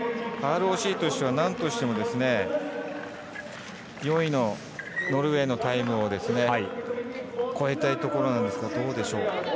ＲＯＣとしてはなんとしても４位のノルウェーのタイムを超えたいところなんですがどうでしょうか。